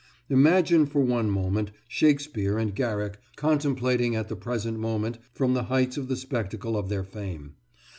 Imagine for one moment Shakespeare and Garrick contemplating at the present moment from the heights the spectacle of their fame.